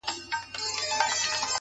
علم د تصمیم نیولو توان زیاتوي،